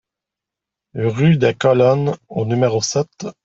Rue des Colonnes au numéro sept